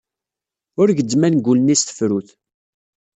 Ur gezzem angul-nni s tefrut.